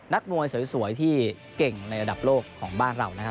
นักมวยสวยที่เก่งในระดับโลกของบ้านเรานะครับ